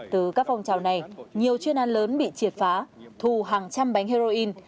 từ các phong trào này nhiều chuyên an lớn bị triệt phá thu hàng trăm bánh heroin